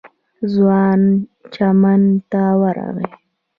ځوان چمن ته ورغی.